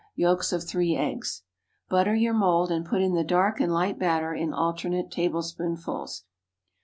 Yolks of three eggs. Butter your mould, and put in the dark and light batter in alternate tablespoonfuls.